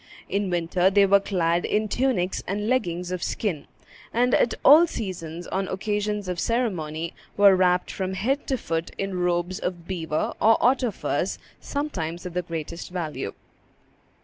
In winter they were clad in tunics and leggins of skin, and at all seasons, on occasions of ceremony, were wrapped from head to foot in robes of beaver or otter furs, sometimes of the greatest value.